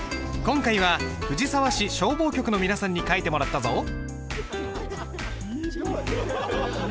今回は藤沢市消防局の皆さんに書いてもらったぞ。